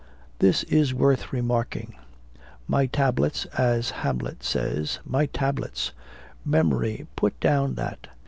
This is worth remarking; my tablets, as Hamlet says, my tablets memory, put down that."